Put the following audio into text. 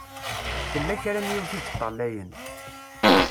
Tella kra n yiwet i yeṭṭalayen.